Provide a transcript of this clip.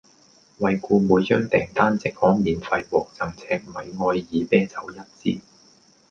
惠顧每張訂單即可免費獲贈赤米愛爾啤酒一支